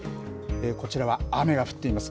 こちらは雨が降っています。